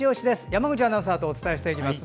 山口アナウンサーとお伝えします。